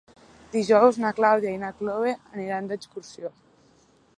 Dijous na Clàudia i na Cloè aniran d'excursió.